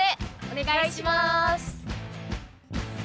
お願いします。